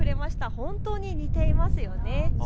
本当に似ていますよね。